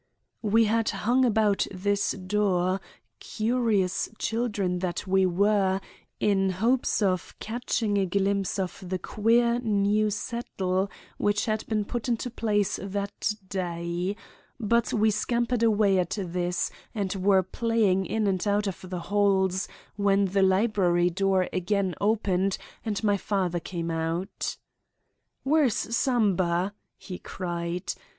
"'We had hung about this door, curious children that we were, in hopes of catching a glimpse of the queer new settle which had been put into place that day. But we scampered away at this, and were playing in and out of the halls when the library door again opened and my father came out. "'Where's Samba?' he cried.